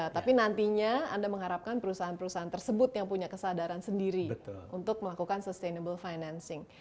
tapi nantinya anda mengharapkan perusahaan perusahaan tersebut yang punya kesadaran sendiri untuk melakukan sustainable financing